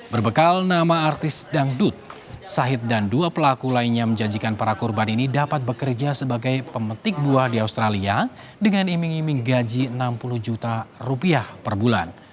berbekal nama artis dangdut sahid dan dua pelaku lainnya menjanjikan para korban ini dapat bekerja sebagai pemetik buah di australia dengan iming iming gaji enam puluh juta rupiah per bulan